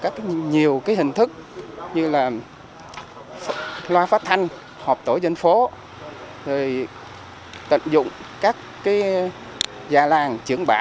các nhiều hình thức như là loa phát thanh họp tổ dân phố tận dụng các gia làng trưởng bản